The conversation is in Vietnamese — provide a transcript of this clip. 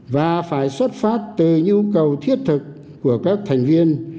và phải xuất phát từ nhu cầu thiết thực của các thành viên